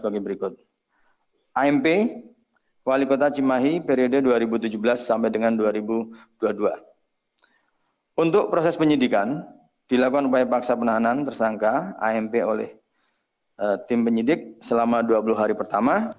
dilakukan upaya paksa penahanan tersangka amp oleh tim penyidik selama dua puluh hari pertama